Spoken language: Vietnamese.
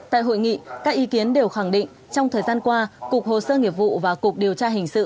tại hội nghị các ý kiến đều khẳng định trong thời gian qua cục hồ sơ nghiệp vụ và cục điều tra hình sự